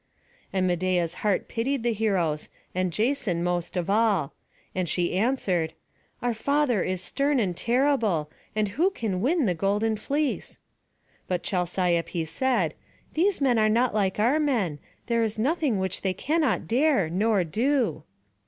And Medeia's heart pitied the heroes, and Jason most of all; and she answered, "Our father is stern and terrible, and who can win the golden fleece?" But Chalciope said: "These men are not like our men; there is nothing which they cannot dare nor do."